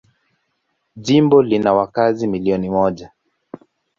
Jimbo lina wakazi milioni moja.